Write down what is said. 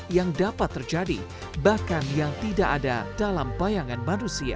yang dapat terjadi bahkan yang tidak ada dalam bayangan manusia